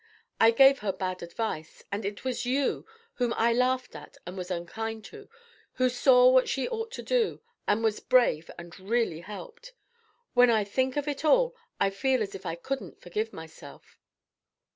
I gave her bad advice; and it was you, whom I laughed at and was unkind to, who saw what she ought to do, and was brave and really helped. When I think of it all, I feel as if I couldn't forgive myself."